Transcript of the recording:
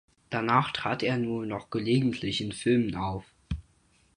Danach trat er nur noch gelegentlich in Filmen auf.